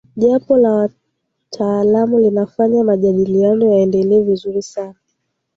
jopo la wataalamu linafanya majadiliano yaende vizuri sana